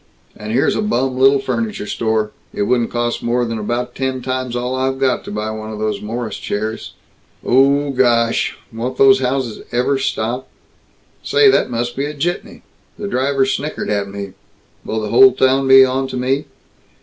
And here's a bum little furniture store it wouldn't cost more 'n about ten times all I've got to buy one of those Morris chairs. Oh Gooooooosh, won't these houses ever stop? Say, that must be a jitney. The driver snickered at me. Will the whole town be onto me?